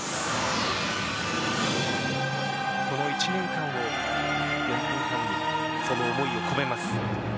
この１年間を４分半に、その思いを込めます。